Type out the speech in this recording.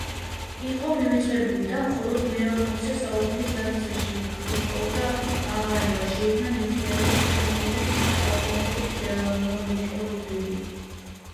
იყო მივიწყებული და მხოლოდ მეოცე საუკუნის დასაწყისში ჰპოვა აღარება - შეიქმნა ნივთიერებების შედგენილობის ატომურ-მოლეკულური